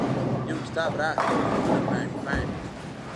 یو کتاب راکړه، ګلونه پاڼې، پاڼې